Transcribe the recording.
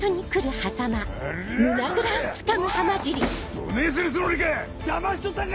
どねぇするつもりか！